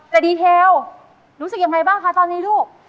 แต่ดีเทลรู้สึกยังไงบ้างคะตอนนี้ลูก